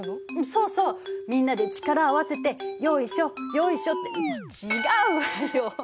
そうそうみんなで力を合わせてよいしょよいしょって違うわよ。